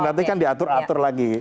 nanti kan diatur atur lagi